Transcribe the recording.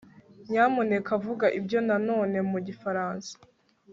nyamuneka vuga ibyo na none mu gifaransa